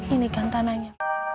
ini kan tanahnya